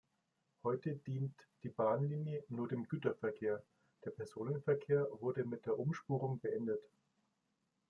Heute dient die Bahnlinie nur dem Güterverkehr, der Personenverkehr wurde mit der Umspurung beendet.